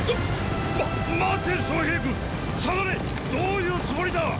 どういうつもりだ！